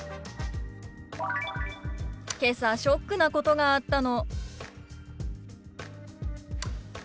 「けさショックなことがあったの」。